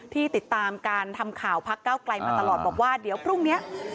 ติดตามการทำข่าวพักเก้าไกลมาตลอดบอกว่าเดี๋ยวพรุ่งนี้